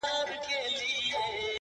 نسه ـ نسه يو داسې بله هم سته;